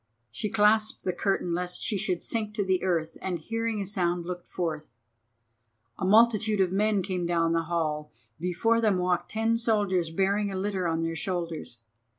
She clasped the curtain lest she should sink to the earth, and hearing a sound looked forth. A multitude of men came down the hall. Before them walked ten soldiers bearing a litter on their shoulders.